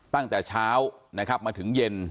ตั้งแต่เช้านะครับมาถึงเย็น